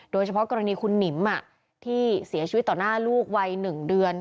โดยเฉพาะกรณีคุณหนิมที่เสียชีวิตต่อหน้าลูกวัย๑เดือน